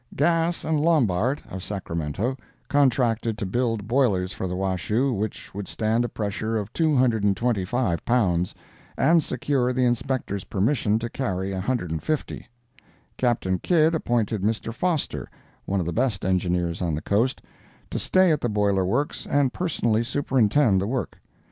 Gass & Lombard, of Sacramento, contracted to build boilers for the Washoe which would stand a pressure of 225 pounds, and secure the inspector's permission to carry 150; Captain Kidd appointed Mr. Foster, one of the best engineers on the coast, to stay at the boiler works and personally superintend the work.